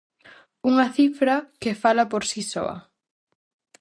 Unha cifra que fala por si soa: